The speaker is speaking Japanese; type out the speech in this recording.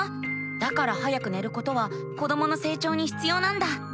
だから早く寝ることは子どもの成長にひつようなんだ。